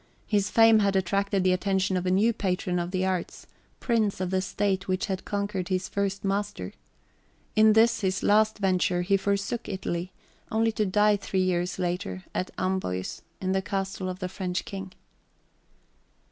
His fame had attracted the attention of a new patron of the arts, prince of the state which had conquered his first master. In this his last venture, he forsook Italy, only to die three years later at Amboise, in the castle of the French king.